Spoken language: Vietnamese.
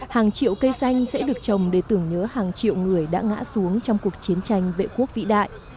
hàng triệu cây xanh sẽ được trồng để tưởng nhớ hàng triệu người đã ngã xuống trong cuộc chiến tranh vệ quốc vĩ đại